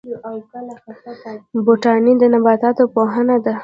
بوټاني د نباتاتو پوهنه ده